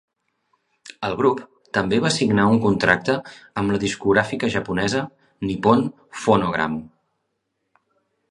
El grup també va signar un contracte amb la discogràfica japonesa Nippon Phonogram.